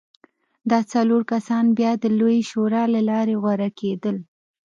دا څلور کسان بیا د لویې شورا له لارې غوره کېدل.